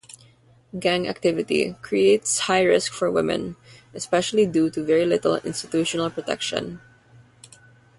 Gang activity creates high risk for women especially due to very little institutional protection.